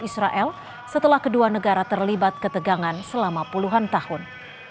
israel setelah kedua negara terlibat ketegangan selama puluhan tahun